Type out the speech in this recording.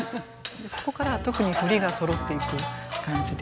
ここから特に振りがそろっていく感じで。